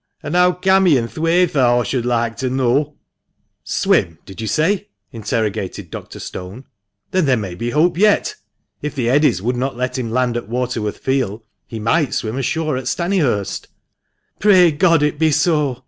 An' how cam' he i' th' wayther, aw shouldn loike to know?" " Swim, did you say ?" interrogated Dr. Stone. " Then there may be hope yet. If the eddies would not let him land at Waterworth Field, he might swim ashore at Stannyhurst." "Pray God it be so!"